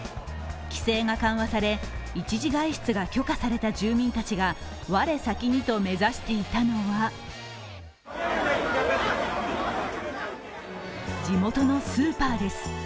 規制が緩和され、一時外出が許可された住民たちが我先にと目指していたのは地元のスーパーです。